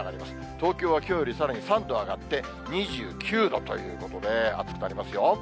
東京はきょうよりさらに３度上がって２９度ということで、暑くなりますよ。